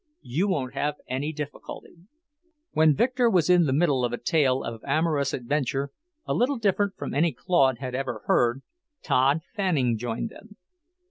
You won't have any difficulty." When Victor was in the middle of a tale of amorous adventure, a little different from any Claude had ever heard, Tod Fanning joined them.